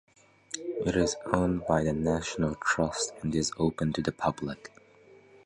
It is owned by the National Trust and is open to the public.